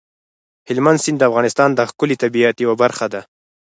هلمند سیند د افغانستان د ښکلي طبیعت یوه برخه ده.